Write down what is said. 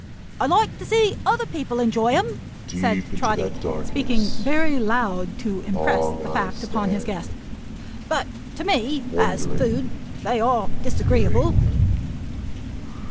I like to see other people enjoy 'em," said Trotty, speaking very loud to impress the fact upon his guest, "but to me, as food, they are disagreeable."